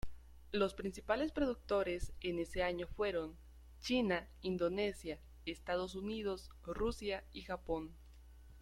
Los principales productores en ese año fueron China, Indonesia, Estados Unidos, Rusia y Japón..